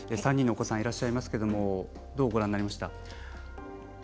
３人のお子さんがいらっしゃいますけれどもどうご覧になりました？